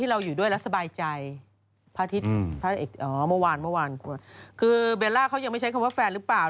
ตัวถือสินที่ปากมันไม่ใช่หรือเปล่า